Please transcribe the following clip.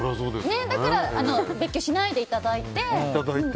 だから別居しないでいただいて。